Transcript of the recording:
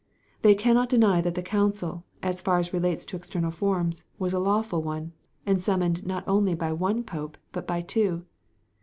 They cannot deny that the council, as far as relates to external forms, was a lawful one, and summoned not only by one pope, but by two.